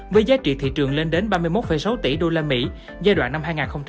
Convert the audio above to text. với giá trị thị trường lên đến ba mươi một sáu tỷ usd giai đoạn năm hai nghìn hai mươi một hai nghìn hai mươi bảy